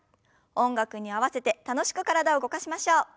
音楽に合わせて楽しく体を動かしましょう。